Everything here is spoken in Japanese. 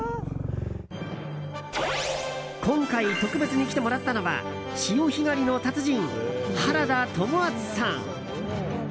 今回、特別に来てもらったのは潮干狩りの達人、原田知篤さん。